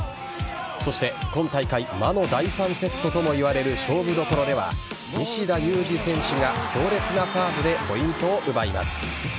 そして今大会魔の第３セットともいわれる勝負どころでは西田有志選手が強烈なサーブでポイントを奪います。